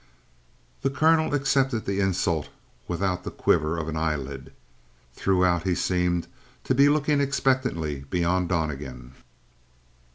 The colonel accepted the insult without the quiver of an eyelid. Throughout he seemed to be looking expectantly beyond Donnegan.